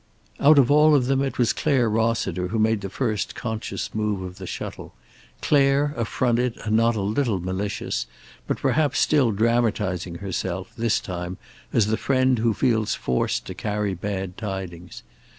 Out of all of them it was Clare Rossiter who made the first conscious move of the shuttle; Clare, affronted and not a little malicious, but perhaps still dramatizing herself, this time as the friend who feels forced to carry bad tidings.